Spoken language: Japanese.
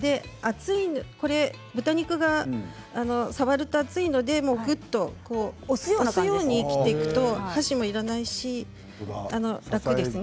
豚肉が触ると熱いのでぐっと押すように切っていくと箸もいらないし楽ですね。